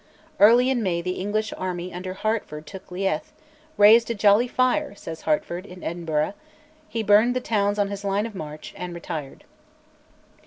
Early in May the English army under Hertford took Leith, "raised a jolly fire," says Hertford, in Edinburgh; he burned the towns on his line of march, and retired.